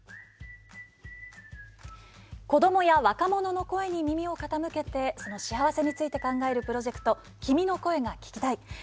子どもや若者の声に耳を傾けて、その幸せについて考えるプロジェクト「君の声が聴きたい」。